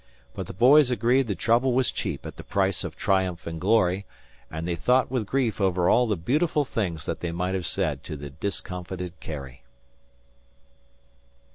But the boys agreed the trouble was cheap at the price of triumph and glory, and they thought with grief over all the beautiful things that they might have said to the discomfited Carrie.